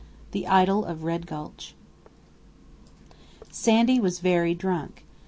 THE IDYL OF RED GULCH Sandy was very drunk.